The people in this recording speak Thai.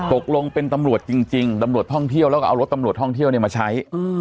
ตกลงเป็นตำรวจจริงตำรวจท่องเที่ยวแล้วก็เอารถตำรวจท่องเที่ยวมาใช้